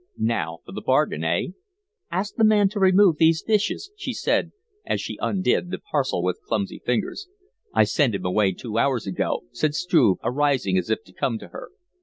"Now for the bargain, eh?" "Ask the man to remove these dishes," she said, as she undid the parcel with clumsy fingers. "I sent him away two hours ago," said Struve, arising as if to come to her.